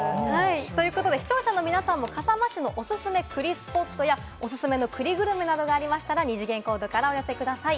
視聴者の皆さんも笠間市のおすすめ栗スポットや、おすすめの栗グルメなどがありましたら、二次元コードからお寄せください。